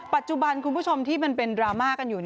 ปัจจุบันคุณผู้ชมที่มันเป็นดราม่ากันอยู่